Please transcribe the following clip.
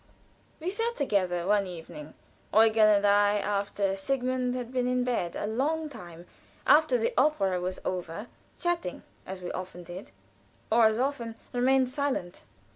We sat together one evening Eugen and I, after Sigmund had been in bed a long time, after the opera was over chatting, as we often did, or as often remained silent.